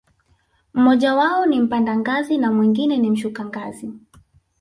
mmoja wao ni mpanda ngazi na mwingine ni mshuka ngazi.